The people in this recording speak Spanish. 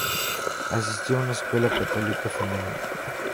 Asistió a una escuela católica femenina.